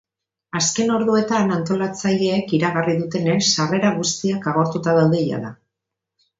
Azken orduetan antolatzaileek iragarri dutenez, sarrera guztiak agortuta daude jada.